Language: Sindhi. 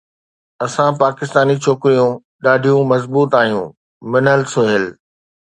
اسان پاڪستاني ڇوڪريون ڏاڍيون مضبوط آهيون منهل سهيل